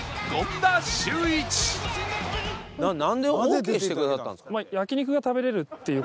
なんでオーケーしてくださったんですか？